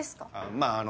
まぁあの。